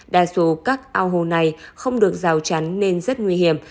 đa số các ao hồ này không được rào chắn nên rất nguy hiểm